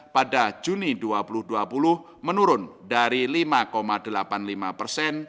pada juni dua ribu dua puluh menurun dari lima delapan puluh lima persen